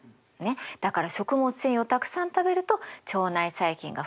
だから食物繊維をたくさん食べると腸内細菌が増えるといわれてるの。